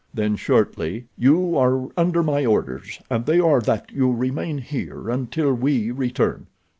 Then shortly: "You are under my orders, and they are that you remain here until we return.